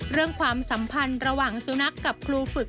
ความสัมพันธ์ระหว่างสุนัขกับครูฝึก